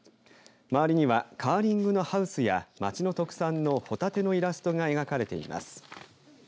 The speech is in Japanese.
周りにはカーリングのハウスや町の特産のホタテのイラストが描かれています。